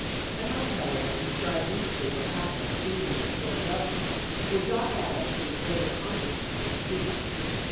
I must, however, describe briefly what happened in and near Philadelphia, where John Adams and his brother Congressmen were sitting.